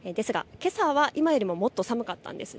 ですが、けさは今よりももっと寒かったんですね。